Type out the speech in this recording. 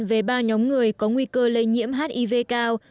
về ba nhóm người có nguy cơ lây nhiễm hiv cao